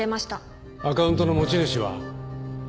アカウントの持ち主は？